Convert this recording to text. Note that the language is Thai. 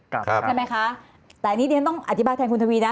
กลับใช่ไหมคะแต่นิดนึงต้องอธิบายแทนคุณทวีนะ